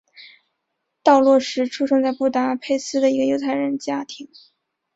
道洛什出生在布达佩斯一个犹太人家庭。